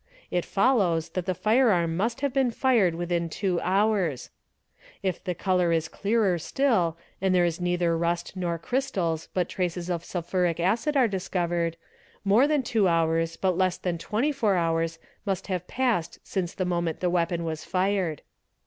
It follows that the fire arm must have been fired thin 2 hours. If the colour is clearer still and there is neither rust :. crystals, but traces of sulphuric acid are discovered, more than 2 hours but less than 24 hours must have passed since the moment the Weapon was fired.